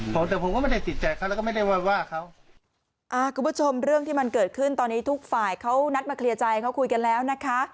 ผมแต่ผมก็ไม่ได้ติดใจเขาแล้วก็ไม่ได้ว่าว่าเขาอ่าคุณผู้ชมเรื่องที่มันเกิดขึ้นตอนนี้ทุกฝ่ายเขานัดมาเคลียร์ใจเขาคุยกันแล้วนะคะ